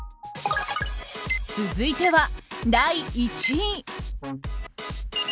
続いては、第１位。